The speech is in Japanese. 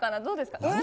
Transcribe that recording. どうですか？